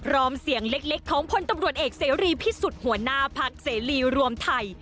อมเสียงเล็กของพลตำรวจเอกเสรีพิสุทธิ์หัวหน้าพักเสรีรวมไทย